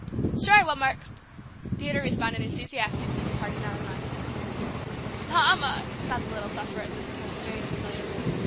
"Sure I will, Mark!" Theodore responded enthusiastically, departing on a run. "Mama!" sobbed the little sufferer at this point, hearing a familiar word.